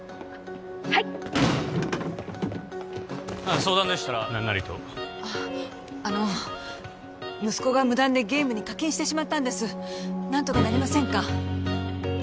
はいっあっ相談でしたら何なりとあっあの息子が無断でゲームに課金してしまったんです何とかなりませんか？